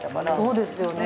そうですよね。